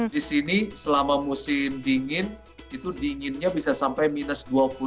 di sini selama musim dingin itu dinginnya bisa sampai minus dua puluh